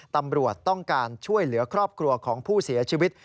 ตำรวจต้องการช่วยเหลือครอบครัวของผู้เสียชีวิต